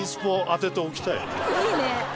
いいね！